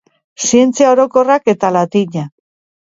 Zientzia Orokorrak eta Latina.